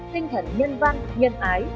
tinh thần nhân văn nhân ái